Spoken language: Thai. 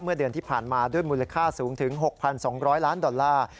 เมื่อเดือนที่ผ่านมาด้วยมูลค่าสูงถึง๖๒๐๐ล้านดอลลาร์